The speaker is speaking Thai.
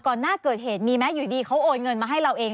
หน้าเกิดเหตุมีไหมอยู่ดีเขาโอนเงินมาให้เราเอง